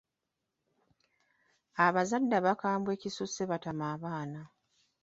Abazadde abakambwe ekisusse batama abaana.